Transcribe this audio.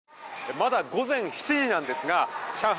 まだ午前７時ですが上海